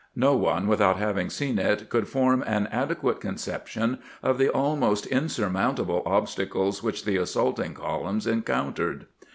No one without having seen it could form an adequate conception of the almost insurmoun table obstacles which the assaulting columns encotm tered.